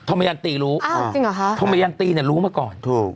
ธมยันตีรู้ธมยันตีเนี่ยรู้มาก่อน